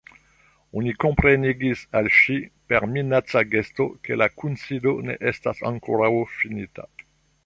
Oni komprenigis al ŝi, per minaca gesto, ke la kunsido ne estas ankoraŭ finita.